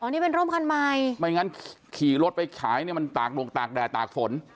นี่เป็นร่มคันใหม่ไม่งั้นขี่รถไปขายเนี่ยมันตากดงตากแดดตากฝน